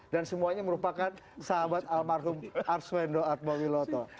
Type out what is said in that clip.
dan semuanya merupakan sahabat almarhum arswendo atmowiloto